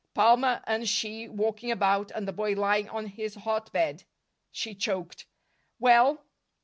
Palmer and she walking about, and the boy lying on his hot bed! She choked. "Well?"